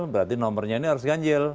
berarti nomornya ini harus ganjil